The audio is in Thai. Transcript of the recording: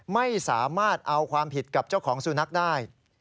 ไม่สามารถเอาความผิดกับเจ้าของสุนัขได้